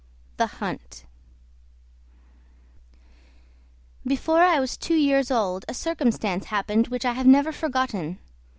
02 The Hunt Before I was two years old a circumstance happened which I have never forgotten.